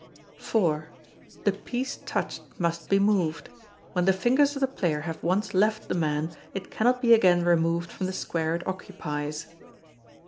] iv. The piece touched must be moved. When the fingers of the player have once left the man, it cannot be again removed from the square it occupies.